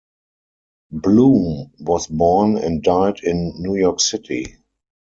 Bloom was born and died in New York City.